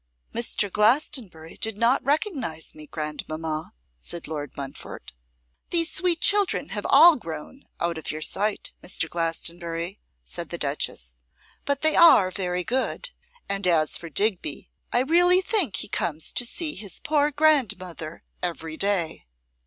'Mr. Glastonbury did not recognise me, grandmamma,' said Lord Montfort. 'These sweet children have all grown out of your sight, Mr. Glastonbury,' said the duchess; 'but they are very good. And as for Digby, I really think he comes to see his poor grandmother every day.